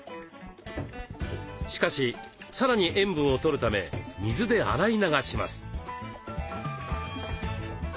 しかしさらに塩分を取るため水で洗い流します。